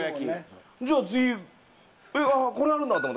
じゃあ次あっこれあるんだと思って。